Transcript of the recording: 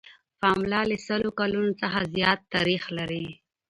پملا له سلو کلونو څخه زیات تاریخ لري.